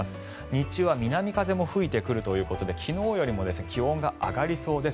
日中は南風も吹いてくるということで昨日よりも気温が上がりそうです。